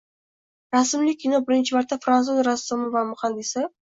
Rasmli kino birinchi marta fransuz rassomi va muhandisi E